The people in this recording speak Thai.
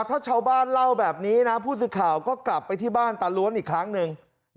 ถ้าชาวบ้านเล่าแบบนี้นะผู้สื่อข่าวก็กลับไปที่บ้านตาล้วนอีกครั้งหนึ่ง